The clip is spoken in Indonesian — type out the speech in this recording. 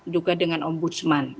juga dengan ombudsman